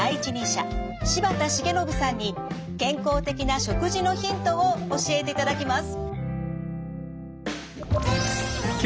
柴田重信さんに健康的な食事のヒントを教えていただきます。